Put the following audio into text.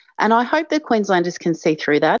dan saya harap queenslanders dapat melihat keadaan itu